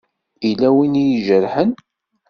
Yella win i d-ijerḥen?